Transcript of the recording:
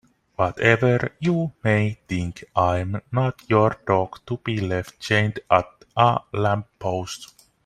Whatever you may think I'm not your dog to be left chained to a lamppost.